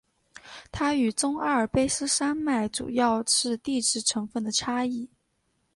它与中阿尔卑斯山脉主要是地质成分的差异。